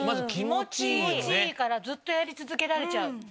・気持ちいいからずっとやり続けられちゃう。